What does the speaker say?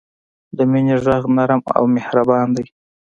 د مینې ږغ نرم او مهربان وي.